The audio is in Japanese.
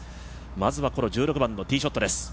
まずはこの１６番のティーショットです。